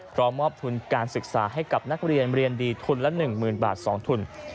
มอบทุนการศึกษาให้กับนักเรียนเรียนดีทุนละ๑๐๐๐บาท๒ทุน